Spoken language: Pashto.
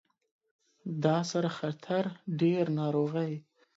دا سره خطر ډیر ناروغۍ